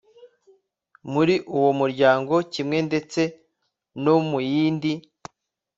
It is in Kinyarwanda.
Muri uwo muryango kimwe ndetse no mu yindi